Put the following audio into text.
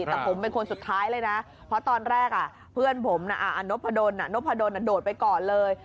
แต่ผมเป็นคนสุดท้ายเลยนะเพราะอันตอนแรกพื้นผมอะอะโป่โดนอะโป่โดนโดดไปก่อนเลย